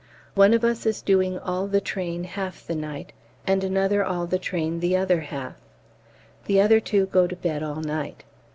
One of us is doing all the train half the night, and another all the train the other half. The other two go to bed all night.